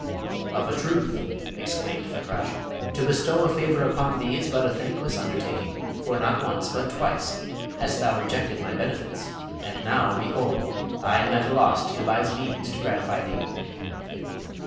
"Of a truth," exclaimed Fakrash, "to bestow a favour upon thee is but a thankless undertaking, for not once, but twice, hast thou rejected my benefits and now, behold, I am at a loss to devise means to gratify thee!"